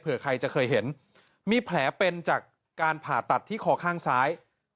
เพื่อใครจะเคยเห็นมีแผลเป็นจากการผ่าตัดที่คอข้างซ้าย